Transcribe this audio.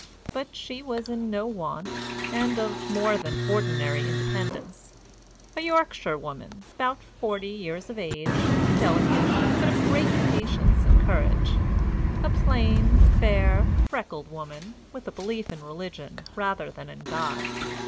But she was in no want, and of more than ordinary independence a Yorkshire woman, about forty years of age, delicate, but of great patience and courage; a plain, fair, freckled woman, with a belief in religion rather than in God.